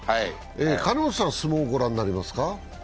金本さん、相撲、御覧になりますか？